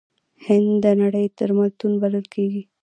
هند د نړۍ درملتون بلل کیږي.